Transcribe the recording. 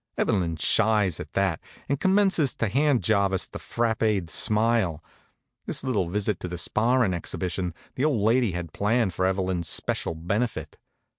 Evelyn shies at that, and commences to hand Jarvis the frappéd smile. This little visit to the sparrin' exhibition the old lady had planned for Evelyn's special benefit.